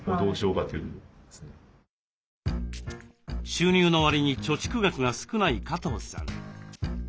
収入のわりに貯蓄額が少ない加藤さん。